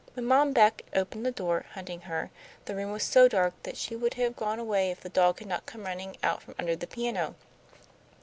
When Mom Beck opened the door, hunting her, the room was so dark that she would have gone away if the dog had not come running out from under the piano.